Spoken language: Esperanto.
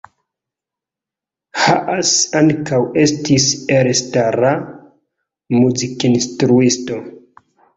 Haas ankaŭ estis elstara muzikinstruisto.